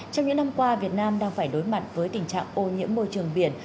trong những năm qua việt nam đang phải đối mặt với tình trạng ô nhiễm môi trường biển